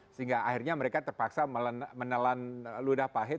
sehingga akhirnya mereka terpaksa menelan ludah pahit